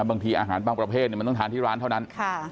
บางทีอาหารบางประเภทมันต้องทานที่ร้านเท่านั้น